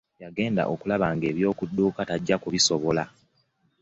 Yagenda okulaba ng’ebyokudduka tajja kubisobola.